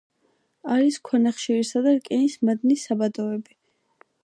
არის ქვანახშირისა და რკინის მადნის საბადოები.